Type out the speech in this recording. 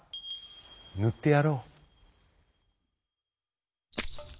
ぬってやろう」。